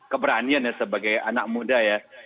keberanian ya sebagai anak muda ya